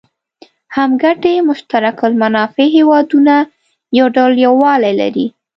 هم ګټي مشترک المنافع هېوادونه یو ډول یووالی لري.